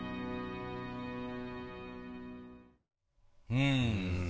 うん。